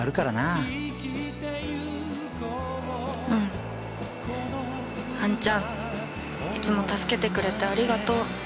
うんあんちゃんいつも助けてくれてありがとう。